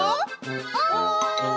おい！